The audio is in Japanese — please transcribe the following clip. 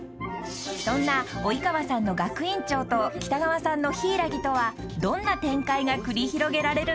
［そんな及川さんの学院長と北川さんの柊木とはどんな展開が繰り広げられるのか？］